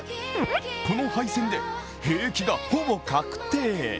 この敗戦で兵役がほぼ確定。